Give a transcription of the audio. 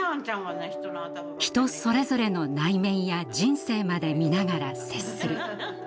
人それぞれの内面や人生まで看ながら接する。